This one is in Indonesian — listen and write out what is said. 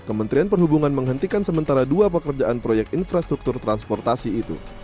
kementerian perhubungan menghentikan sementara dua pekerjaan proyek infrastruktur transportasi itu